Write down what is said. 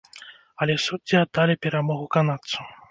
Але суддзі аддалі перамогу канадцу.